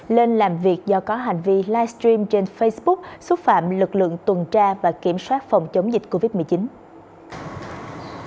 lên làm việc do có hành vi livestream trên facebook xúc phạm lực lượng tuần tra và kiểm soát phòng chống dịch covid một mươi chín